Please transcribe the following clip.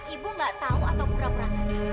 ibu nggak tahu atau pura pura